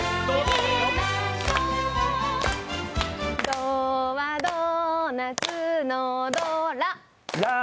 ドはドーナツのド。